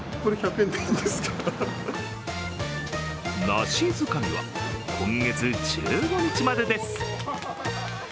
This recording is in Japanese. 梨づかみは今月１５日までです。